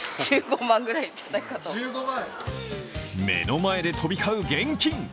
目の前で飛び交う現金！